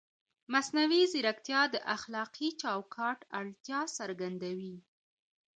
مصنوعي ځیرکتیا د اخلاقي چوکاټ اړتیا څرګندوي.